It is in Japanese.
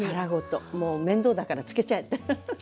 もう面倒だから漬けちゃえってフフフ。